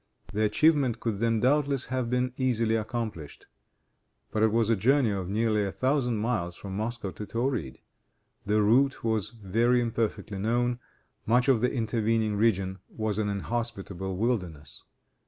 The achievement could then doubtless have been easily accomplished. But it was a journey of nearly a thousand miles from Moscow to Tauride. The route was very imperfectly known; much of the intervening region was an inhospitable wilderness.